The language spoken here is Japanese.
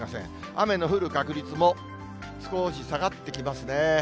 雨の降る確率も少し下がってきますね。